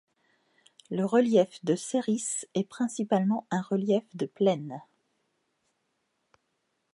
Le relief de Serris est principalement un relief de plaine.